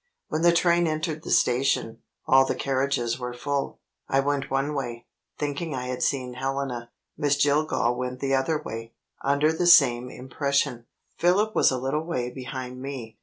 When the train entered the station, all the carriages were full. I went one way, thinking I had seen Helena. Miss Jillgall went the other way, under the same impression. Philip was a little way behind me.